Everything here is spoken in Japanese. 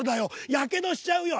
やけどしちゃうよ」。